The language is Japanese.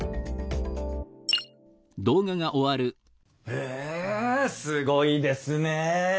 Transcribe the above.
へえすごいですねえ。